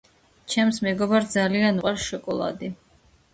ჩემს მეგობარს ძალიან უყვარს შოკოლადი